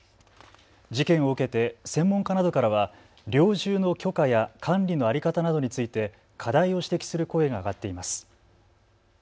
事件を受けて専門家などからは猟銃の許可や管理の在り方などについて課題を指摘する声が上がっています。